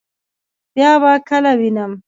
بیا به کله وینم؟